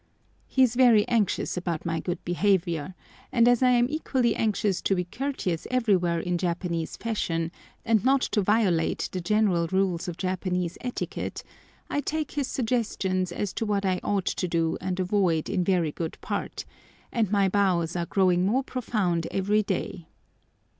He is very anxious about my good behaviour, and as I am equally anxious to be courteous everywhere in Japanese fashion, and not to violate the general rules of Japanese etiquette, I take his suggestions as to what I ought to do and avoid in very good part, and my bows are growing more profound every day!